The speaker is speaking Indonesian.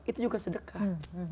itu juga sedekah